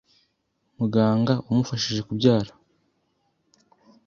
Muganga wamufashije kubyara